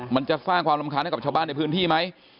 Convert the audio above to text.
มันจะสร้างความรำคาญให้กับชาวบ้านในพื้นที่ไหม